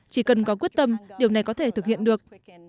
chỉ cần có quyết tâm điều này có thể thực hiện được